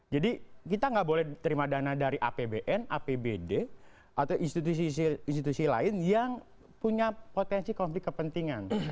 jadi kita nggak boleh terima dana dari apbn apbd atau institusi institusi lain yang punya potensi konflik kepentingan